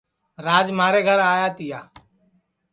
راج مِھارے گھر آیا تیا